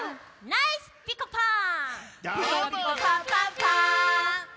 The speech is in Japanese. ナイスピコパン！